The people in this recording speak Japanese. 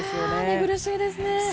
寝苦しいですね。